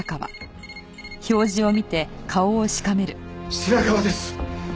白河です。